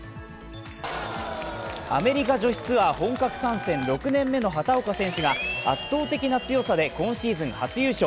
アメリカ女子ツアー本格参戦６年目の畑岡選手が圧倒的な強さで今シーズン初優勝。